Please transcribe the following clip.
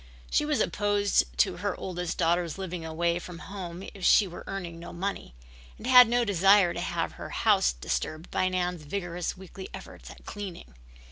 She was opposed to her oldest daughter's living away from home if she were earning no money, and had no desire to have her house disturbed by Nan's vigorous weekly efforts at cleaning.